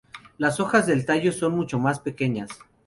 Las hojas del tallo son mucho más pequeñas.